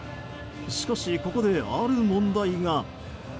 しかしここで、ある問題が。